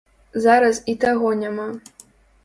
Зараз і таго няма.